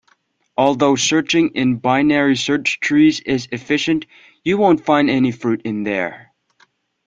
Although searching in binary search trees is efficient, you won't find any fruit in there.